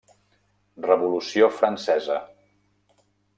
Revolució Francesa.